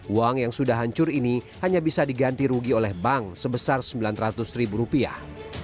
uang yang sudah hancur ini hanya bisa diganti rugi oleh bank sebesar sembilan ratus ribu rupiah